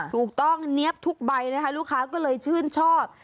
ถูกต้องเนี๊ยบทุกใบนะคะลูกค้าก็เลยชื่นชอบ